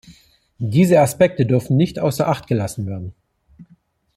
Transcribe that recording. Diese Aspekte dürfen nicht außer acht gelassen werden.